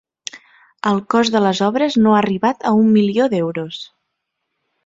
El cost de les obres no ha arribat a un milió d'euros.